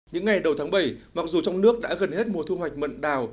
những ngày đầu tháng bảy mặc dù trong nước đã gần hết mùa thu hoạch mận đào